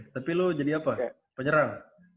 tapi lo jadi apa penyerang